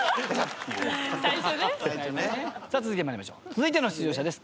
続いての出場者です。